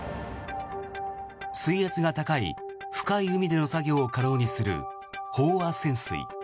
水圧が高い深い海での作業を可能にする飽和潜水。